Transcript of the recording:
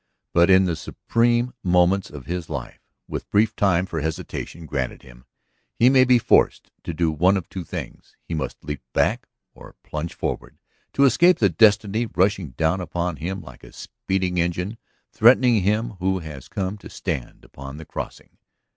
But in the supreme moments of his life, with brief time for hesitation granted him, he may be forced to do one of two things: he must leap back or plunge forward to escape the destiny rushing down upon him like a speeding engine threatening him who has come to stand upon the crossing.